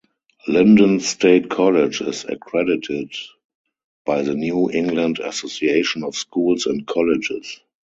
Lyndon State College is accredited by the New England Association of Schools and Colleges.